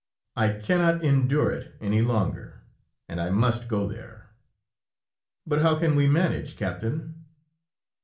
I cannot endure it any longer, and I must go there." "But how can you manage it, Captain?"